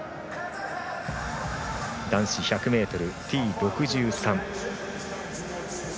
男子１００ｍＴ６３。